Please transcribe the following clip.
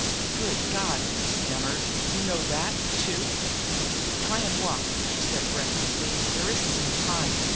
"Good God!" he stammered. "You know that, too?" "Try and walk," she said breathlessly. "There isn't any time.